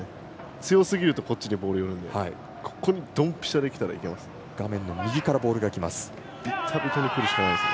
強すぎるとこっちにボールが寄るのでここにどんぴしゃにきたらいけますよ。